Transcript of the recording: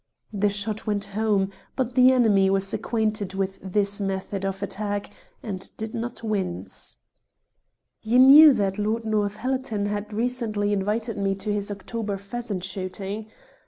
The shot went home, but the enemy was acquainted with this method of attack, and did not wince. "You knew that Lord Northallerton had recently invited me to his October pheasant shooting.